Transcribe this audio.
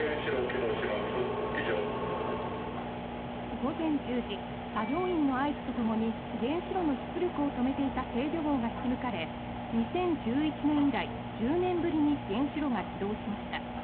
午前１０時作業員の合図とともに原子炉の出力を止めていた制御棒が引き抜かれ２０１１年以来、１０年ぶりに原子炉が起動しました。